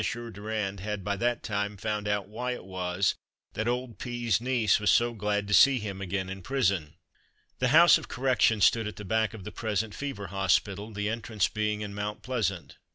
Durand had by that time found out why it was that old P 's niece was so glad to see him again in prison. The House of Correction stood at the back of the present Fever Hospital, the entrance being in Mount Pleasant.